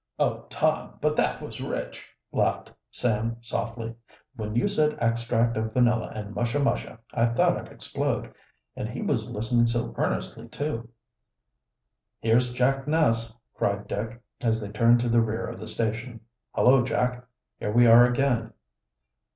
"Oh, Tom, but that was rich," laughed Sam softly. "When you said extract of vanilla and mushamusha I thought I'd explode. And he was listening so earnestly, too!" "Here's Jack Ness!" cried Dick, as they turned to the rear of the station. "Hullo, Jack! Here we are again!"